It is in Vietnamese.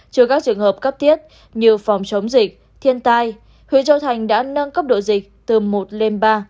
trừ các trường hợp cấp thiết như phòng chống dịch thiên tai huyện châu thành đã nâng cấp độ dịch từ một lên ba